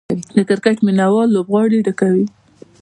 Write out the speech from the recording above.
د کرکټ مینه وال لوبغالي ډکوي.